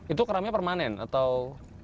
itu keramnya permanen atau